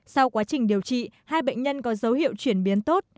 sau quá trình điều trị hai bệnh nhân có dấu hiệu chuyển biến tốt